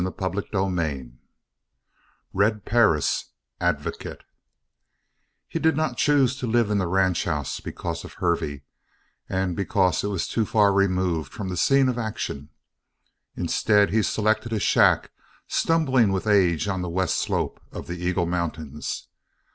CHAPTER XVI RED PERRIS: ADVOCATE He did not choose to live in the ranch because of Hervey and because it was too far removed from the scene of action. Instead, he selected a shack stumbling with age on the west slope of the Eagle Mountains.